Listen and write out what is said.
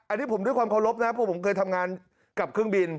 อันนี้ผมด้วยความเคารพนะเพราะผมเคยทำงานกับเครื่องบิน